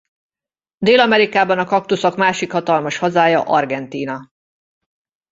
Dél-Amerikában a kaktuszok másik hatalmas hazája Argentína.